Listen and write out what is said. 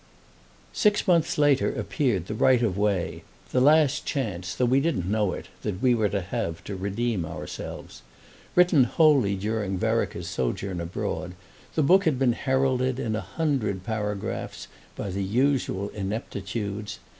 SIX months later appeared "The Right of Way," the last chance, though we didn't know it, that we were to have to redeem ourselves. Written wholly during Vereker's sojourn abroad, the book had been heralded, in a hundred paragraphs, by the usual ineptitudes.